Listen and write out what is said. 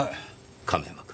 亀山君。